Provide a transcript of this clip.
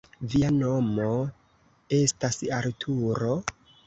Via nomo estas Arturo?